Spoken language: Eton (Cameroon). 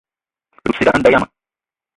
Te dout ciga a nda yiam.